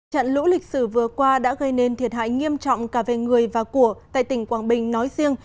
trận lũ lịch sử vừa qua đã gây nên thiệt hại nghiêm trọng cả về người và của tại tỉnh quảng bình nói riêng